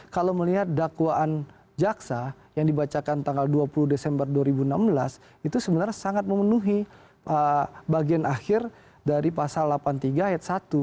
kalau melihat dakwaan jaksa yang dibacakan tanggal dua puluh desember dua ribu enam belas itu sebenarnya sangat memenuhi bagian akhir dari pasal delapan puluh tiga ayat satu